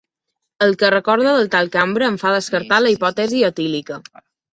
El que recordo del tal Cambra em fa descartar la hipòtesi etílica.